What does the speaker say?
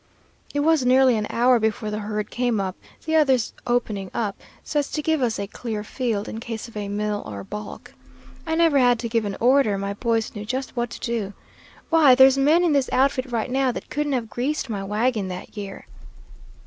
It was nearly an hour before the herd came up, the others opening out, so as to give us a clear field, in case of a mill or balk. I never had to give an order; my boys knew just what to do. Why, there's men in this outfit right now that couldn't have greased my wagon that year.